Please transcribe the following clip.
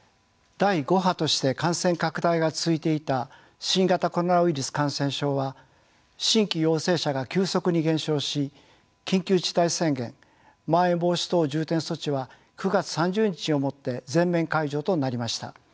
第５波として感染拡大が続いていた新型コロナウイルス感染症は新規陽性者が急速に減少し緊急事態宣言まん延防止等重点措置は９月３０日をもって全面解除となりました。